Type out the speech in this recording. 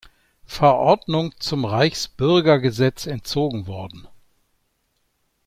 Verordnung zum Reichsbürgergesetz entzogen worden.